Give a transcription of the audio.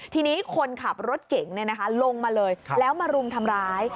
ทีนี้คนขับรถเก่งรับลงมามารุมทำร้าย